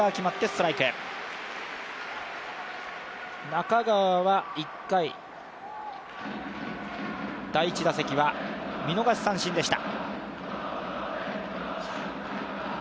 中川は、１回第１打席は見逃し三振でした。